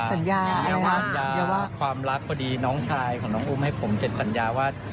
สัญญาว่าความรักพอดีน้องชายของน้องอุ้มให้ผมเสร็จสัญญาว่า